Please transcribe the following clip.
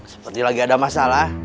seperti lagi ada masalah